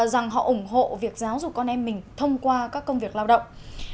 rằng họ ủng hộ việc giáo dục con em mình thông qua các công việc lao động